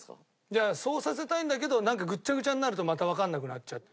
いやそうさせたいんだけどなんかぐっちゃぐちゃになるとまたわからなくなっちゃう。